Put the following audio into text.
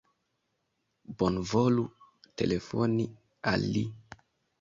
Bonvolu telefoni al li.